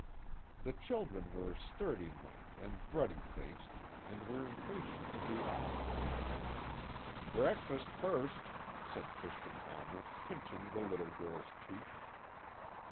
The children were sturdy limbed and ruddy faced, and were impatient to be off. "Breakfast first," said Christian Almer, pinching the little girl's cheek.